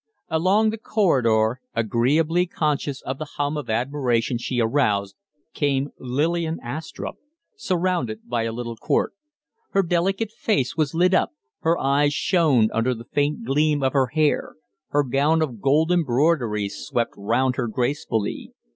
Along the corridor, agreeably conscious of the hum of admiration she aroused, came Lillian Astrupp, surrounded by a little court. Her delicate face was lit up; her eyes shone under the faint gleam of her hair; her gown of gold embroidery swept round her gracefully.